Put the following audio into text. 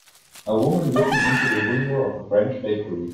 A woman looking into the window of a French bakery.